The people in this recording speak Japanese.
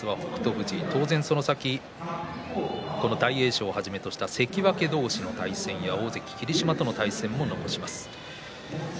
富士戦その先、大栄翔と関脇同士の対戦に大関霧島との対戦も残します。